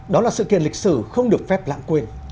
đó là sự kiện lịch sử không được phép lãng quên